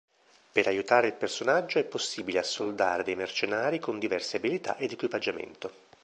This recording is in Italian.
Per aiutare il personaggio è possibile assoldare dei mercenari con diverse abilità ed equipaggiamento.